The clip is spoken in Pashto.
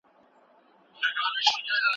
پي پي پي ناروغي په ناڅاپي ډول پېښېږي.